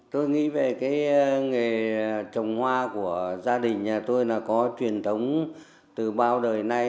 tôi nghĩ về cái nghề trồng hoa của gia đình nhà tôi là có truyền thống từ bao đời nay